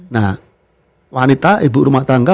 nah wanita ibu rumah tangga